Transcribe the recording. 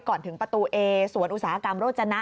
ถึงประตูเอสวนอุตสาหกรรมโรจนะ